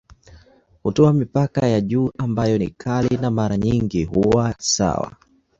Hutoa mipaka ya juu ambayo ni kali na mara nyingi huwa sawa.